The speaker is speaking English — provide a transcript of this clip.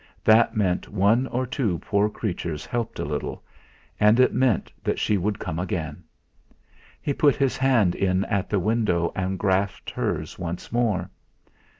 That meant one or two poor creatures helped a little, and it meant that she would come again. He put his hand in at the window and grasped hers once more.